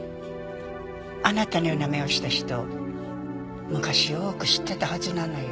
あなたのような目をした人昔よく知ってたはずなのよ。